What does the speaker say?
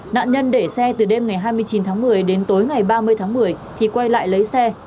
nạn nhân để xe từ đêm ngày hai mươi chín tháng một mươi đến tối ngày ba mươi tháng một mươi thì quay lại lấy xe